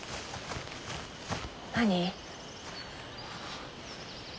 何？